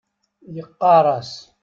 Yeqqar-as .